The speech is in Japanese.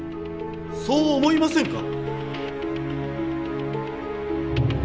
そう思いませんか？